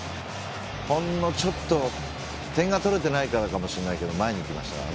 ほんのちょっと点が取れてないからかもしれないけど前にいきましたからね。